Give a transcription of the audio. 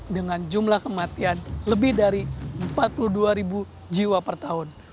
dengan jumlah kematian lebih dari empat puluh dua ribu jiwa per tahun